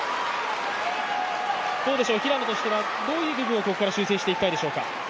平野としてはどういう部分をここから修正していきたいでしょうか？